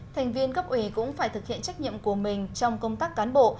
thành viên cấp ủy cũng phải thực hiện trách nhiệm của mình trong công tác cán bộ